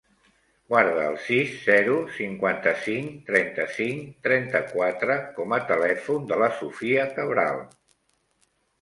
Guarda el sis, zero, cinquanta-cinc, trenta-cinc, trenta-quatre com a telèfon de la Sophia Cabral.